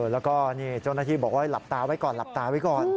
แล้วก็นี่โจทย์นาทีบอกว่าหลับตาไว้ก่อน